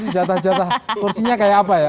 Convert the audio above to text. jatah jatah kursinya kayak apa ya